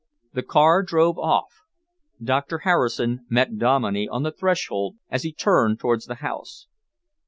The car drove off. Doctor Harrison met Dominey on the threshold as he turned towards the house.